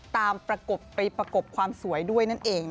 ตามปรากบไปปรากบความสวยด้วย